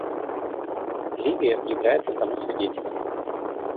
Ливия является тому свидетелем.